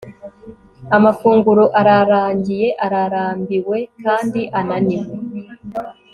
Amafunguro ararangiye ararambiwe kandi ananiwe